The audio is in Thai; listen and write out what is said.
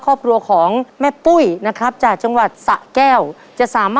ครอบครัวของแม่ปุ้ยจังหวัดสะแก้วนะครับ